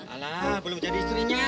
alah belum jadi istrinya